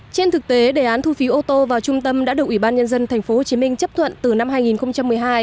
trên thực tế đề án thu phí ô tô vào trung tâm đã được ủy ban nhân dân thành phố hồ chí minh chấp thuận từ năm hai nghìn một mươi hai